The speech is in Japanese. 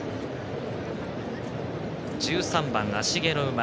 １３番、芦毛の馬。